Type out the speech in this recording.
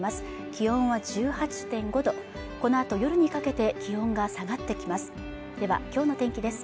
気温は１８．５度このあと夜にかけて気温が下がってきますでは今日の天気です